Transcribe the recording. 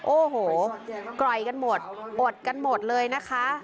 โอ้โหกร่อยกันหมดอดกันหมดเลยนะคะ